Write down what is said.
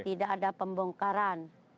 tidak ada pembongkaran